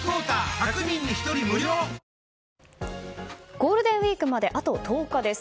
ゴールデンウィークまであと１０日です。